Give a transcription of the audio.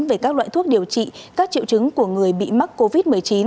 về các loại thuốc điều trị các triệu chứng của người bị mắc covid một mươi chín